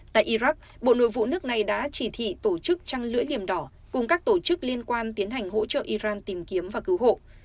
tại iraq bộ nội vụ nước này đã chỉ thị tổ chức trăng lưỡi liềm đỏ cùng các tổ chức liên quan tiến hành hỗ trợ iran tìm kiếm và cứu hộ